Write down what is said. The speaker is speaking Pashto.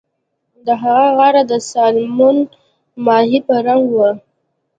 د هغه غاړه کۍ د سالمون ماهي په رنګ وه